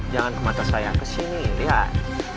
jangan ke mata saya kesini lihat